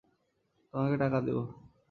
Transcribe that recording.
তোমাকে টাকা দেব।